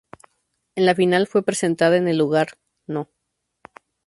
En la final fue presentada en el lugar no.